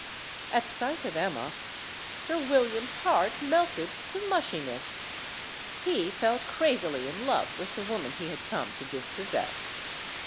At sight of Emma, Sir William's heart melted to mushiness. He fell crazily in love with the woman he had come to dispossess.